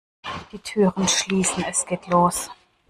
Die Türen schließen, es geht los!